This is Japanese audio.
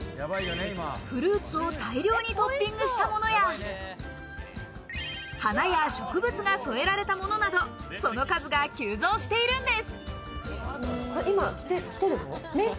フルーツを大量にトッピングしたものや、花や植物が添えられたものなど、その数が急増しているんです。